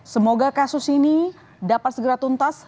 semoga kasus ini dapat segera tuntas